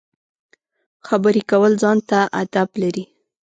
خبرې کول ځان ته اداب لري.